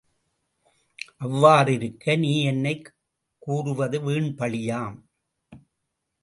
அவ்வாறிருக்க நீ என்னைக் கூறுவது வீண் பழியாம்.